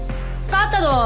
勝ったどー！